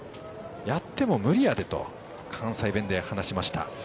やっても無理やでと関西弁で話しました。